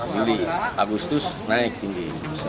juli agustus naik tinggi